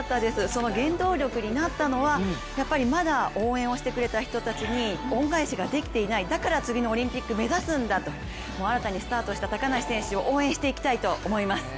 その原動力になったのはやっぱりまだ応援をしてくれた人たちに恩返しができていない、だから次のオリンピックを目指すんだと、新たにスタートした高梨選手を応援していきたいと思います。